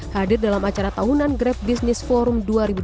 hadir dalam acara tahunan grab business forum dua ribu dua puluh